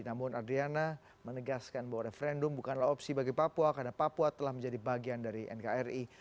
namun adriana menegaskan bahwa referendum bukanlah opsi bagi papua karena papua telah menjadi bagian dari nkri